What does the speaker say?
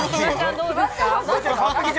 どうですか？